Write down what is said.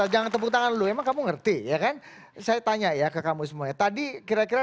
jangan tepuk tangan dulu emang kamu ngerti ya kan saya tanya ya ke kamu semuanya tadi kira kira